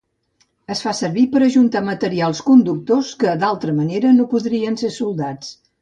Es fa servir per ajuntar materials conductors que, d'altra manera, no podrien ser soldats.